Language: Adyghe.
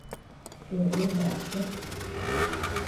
Stolır daxe.